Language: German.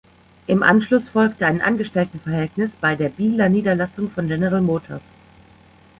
Im Anschluss folgte ein Angestelltenverhältnis bei der Bieler Niederlassung von General Motors.